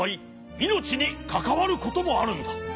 いのちにかかわることもあるんだ。